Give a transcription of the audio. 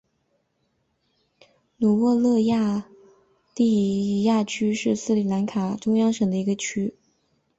努沃勒埃利耶区是斯里兰卡中央省的一个区。